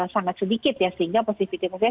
sangat sedikit ya sehingga positivity